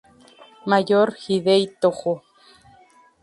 Mayor Hideki Tōjō.